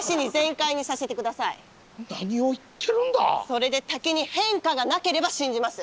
それで滝に変化がなければ信じます！